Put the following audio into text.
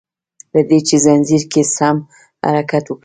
له دي چي ځنځير کی سم حرکت وکړي